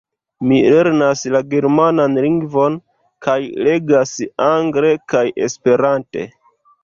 Mi lernas la germanan lingvon kaj legas angle kaj esperante.